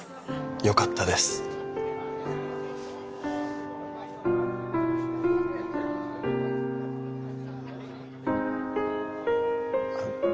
よかったですあっ